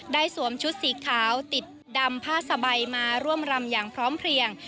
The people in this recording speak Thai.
สวมชุดสีขาวติดดำผ้าสบายมาร่วมรำอย่างพร้อมเพลียง